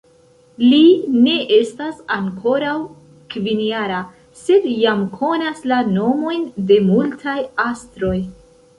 Li ne estas ankoraŭ kvinjara, sed jam konas la nomojn de multaj astroj.